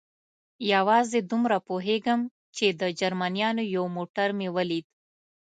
یوازې دومره پوهېږم، چې د جرمنیانو یو موټر مې ولید.